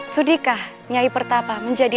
sudikah nyai pertapa menerima